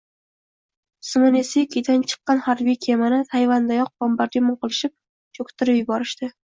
Simonosekidan chiqqan harbiy kemani Tayvandayoq bombardimon qilishib, cho`ktirib yuborishdi